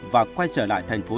và quay trở lại thành phố